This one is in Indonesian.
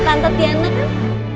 tante tiana kan